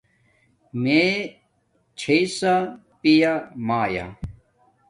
میے چھی ݽآ پیا مایا